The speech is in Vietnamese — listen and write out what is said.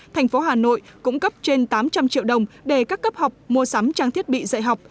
tp hà nội cũng cấp trên tám trăm linh triệu đồng để các cấp học mua sắm trang thiết bị dạy học